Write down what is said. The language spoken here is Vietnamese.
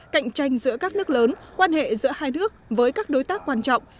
cạnh tranh giữa các nước lớn quan hệ giữa hai nước với các đối tác quan trọng